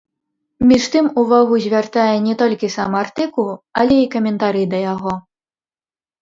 Між тым увагу звяртае не толькі сам артыкул, але і каментары да яго.